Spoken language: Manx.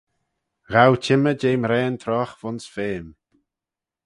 Ghow çhymmey jeh mraane treoghe v'ayns feme.